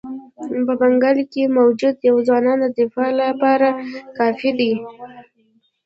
په بنګال کې موجود پوځونه د دفاع لپاره کافي دي.